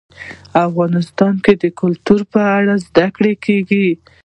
افغانستان کې د کلتور په اړه زده کړه کېږي.